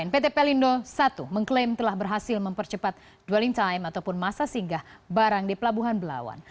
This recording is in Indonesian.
pt pelindo i mengklaim telah berhasil mempercepat dwelling time ataupun masa singgah barang di pelabuhan belawan